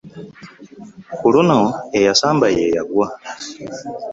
Ku luno eyasamba ye yagwa.